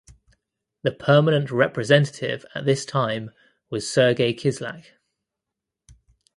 The permanent representative at this time was Sergey Kislyak.